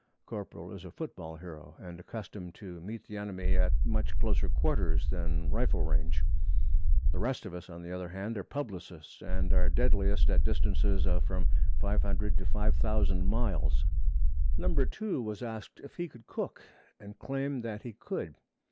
(Corporal is a football hero, and accustomed to meet the enemy at much closer quarters than rifle range. The rest of us, on the other hand, are publicists, and are deadliest at distances of from 500 to 5000 miles.) Number 2 was asked if he could cook, and claimed that he could.